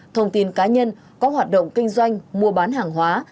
thông tin cá nhân có hoạt động kinh doanh mua bán hàng hóa